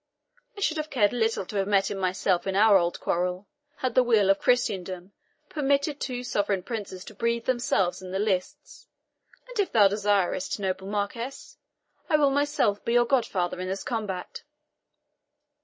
I should have cared little to have met him myself on our old quarrel, had the weal of Christendom permitted to sovereign princes to breathe themselves in the lists; and if thou desirest it, noble Marquis, I will myself be your godfather in this combat."